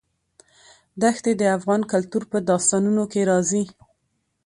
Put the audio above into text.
دښتې د افغان کلتور په داستانونو کې راځي.